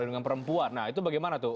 nah itu bagaimana tuh